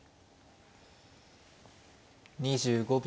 ２５秒。